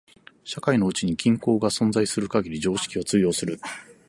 社会のうちに均衡が存在する限り常識は通用する。